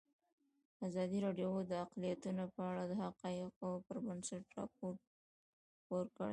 ازادي راډیو د اقلیتونه په اړه د حقایقو پر بنسټ راپور خپور کړی.